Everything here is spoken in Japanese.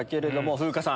風花さん